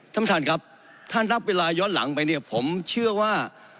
ท่านประธานครับถ้านับเวลาย้อนหลังไปเนี่ยผมเชื่อว่า